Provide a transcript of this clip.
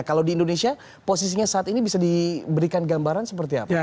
kalau di indonesia posisinya saat ini bisa diberikan gambaran seperti apa